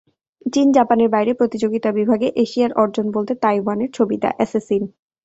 চীন-জাপানের বাইরে প্রতিযোগিতা বিভাগে এশিয়ার অর্জন বলতে তাইওয়ানের ছবি দ্য অ্যাসেসিন।